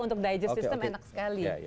untuk di juice itu enak sekali